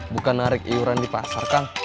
bukan narik iuran di pasar kang